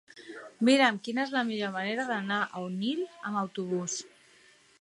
Mira'm quina és la millor manera d'anar a Onil amb autobús.